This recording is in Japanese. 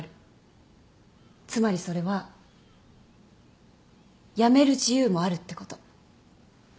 つまりそれは辞める自由もあるってこと。